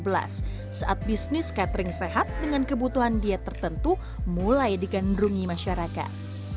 saat bisnis catering sehat dengan kebutuhan diet tertentu mulai digandrungi masyarakat